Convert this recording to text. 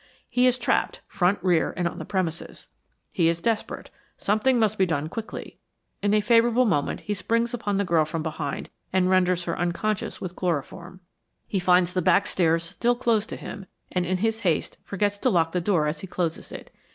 He is trapped; front, rear and on the premises. He is desperate. Something must be done quickly. In a favorable moment he springs upon the girl from behind and renders her unconscious with chloroform. He finds the back stairs still closed to him, and in his haste forgets to lock the door as he closes it.